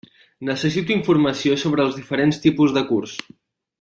Necessito informació sobre els diferents tipus de curs.